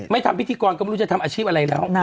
ทำพิธีกรก็ไม่รู้จะทำอาชีพอะไรแล้ว